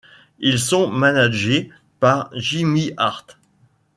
Ils sont managés par Jimmy Hart.